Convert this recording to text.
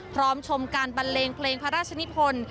พร้อมชมการบันเล็งเพลงพระราชนิภน